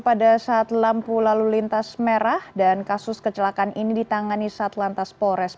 pada saat lampu lalu lintas merah dan kasus kecelakaan ini ditangani satlantas polres